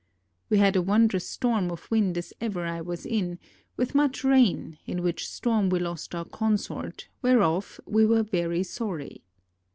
We had a wondrous storm of wind as ever I was in, with much rain, in which storm we lost our consort, whereof we were very sorry.